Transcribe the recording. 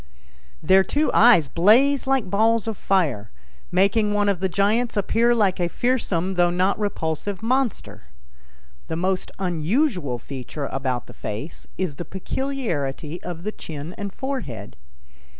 Their two eyes blaze like balls of fire, making one of the giants appear like a fiersome though not repulsive monster. The most unusual feature about the face is the peculiarity of the chin and forehead.